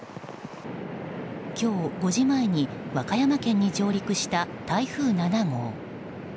今日５時前に和歌山県に上陸した台風７号。